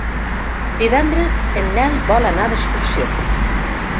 Divendres en Nel vol anar d'excursió.